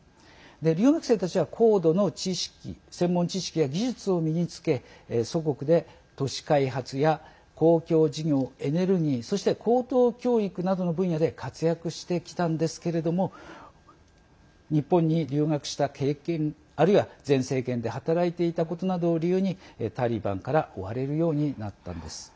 留学生たちは、高度な知識専門知識や技術を身につけ祖国で都市開発や公共事業エネルギーそして、高等教育などの分野で活躍してきたんですけれども日本に留学した経験あるいは前政権で働いていたことなどを理由にタリバンから追われるようになったんです。